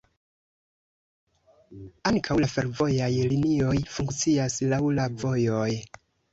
Ankaŭ la fervojaj linioj funkcias laŭ la vojoj.